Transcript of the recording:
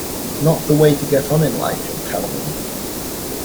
Not the way to get on in life, you'll tell me?